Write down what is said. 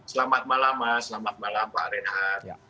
selamat malam pak